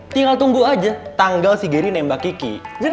tinggal tunggu aja tanggal si gary nembak kiki